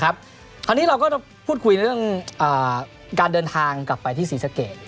คราวนี้เราก็คุยเรื่องการเดินทางกลับไปที่ศรีศักย์เกก